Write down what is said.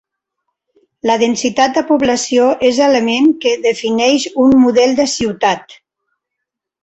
La densitat de població és l'element que defineix un model de ciutat.